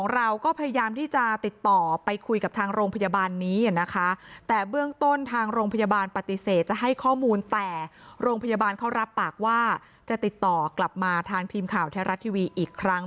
โรงพยาบาลเขารับปากว่าจะติดต่อกลับมาทางทีมข่าวแท้รัฐทีวีอีกครั้ง